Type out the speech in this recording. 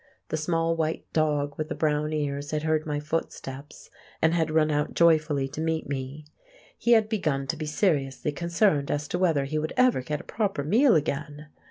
The small white dog with the brown ears had heard my footsteps and had run out joyfully to meet me; he had begun to be seriously concerned as to whether he would ever get a proper meal again!